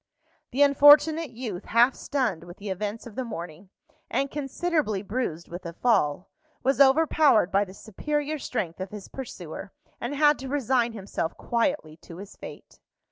The unfortunate youth, half stunned with the events of the morning, and considerably bruised with the fall, was overpowered by the superior strength of his pursuer, and had to resign himself quietly to his fate.